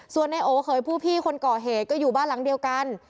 ส่วนในโอเขยผู้พี่คนก่อเหตุก็อยู่บ้านหลังเดียวกัน